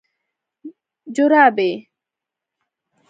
🧦جورابي